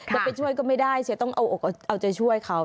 จะไปช่วยก็ไม่ได้เสียต้องเอาใจช่วยเขา